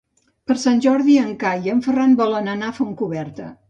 Per Sant Jordi en Cai i en Ferran volen anar a Fontcoberta.